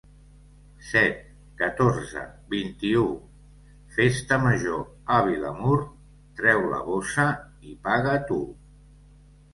Set, catorze, vint-i-u: Festa Major a Vilamur. Treu la bossa i paga tu!